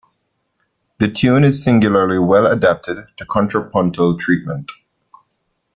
The tune is singularly well-adapted to contrapuntal treatment.